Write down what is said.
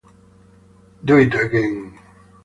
Do it again!